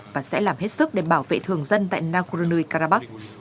và sẽ làm hết sức để bảo vệ thường dân tại nagorno karabakh